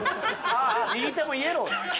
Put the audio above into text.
ああ右手もイエロー。